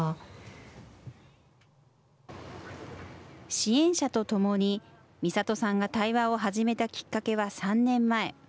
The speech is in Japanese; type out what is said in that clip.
支援者とともに、みさとさんが対話を始めたきっかけは３年前。